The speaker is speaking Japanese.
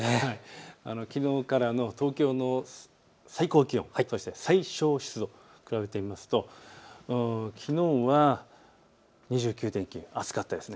きのうからの東京の最高気温、そして最小湿度を比べてみますときのうは２９．９、暑かったです。